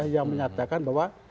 yang menyatakan bahwa